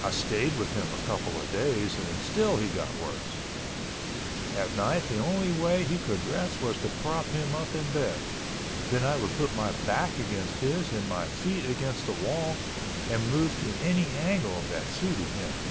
I stayed with him a couple of days and still he got worse. At night the only way he could rest was to prop him up in bed, then I would put my back against his and my feet against the wall, and move to any angle that suited him.